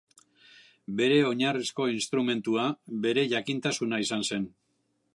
Bere oinarrizko instrumentua bere jakintasuna izan zen.